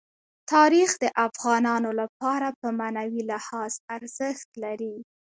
تاریخ د افغانانو لپاره په معنوي لحاظ ارزښت لري.